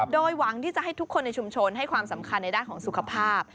โดยหวังที่จะให้ทุกคนในชุมชนให้ความสำคัญในด้านของสุขภาพ